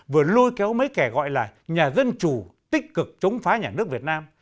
vừa lôi kéo mấy kẻ gọi là nhà dân chủ tích cực chống phá nhà nước việt nam